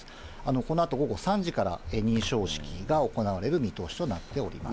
このあと、午後３時から認証式が行われる見通しとなっております。